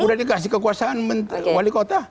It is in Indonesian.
udah dikasih kekuasaan wali kota